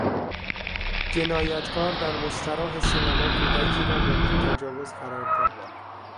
جنایتکار در مستراح سینما کودکی را مورد تجاوز قرار داد.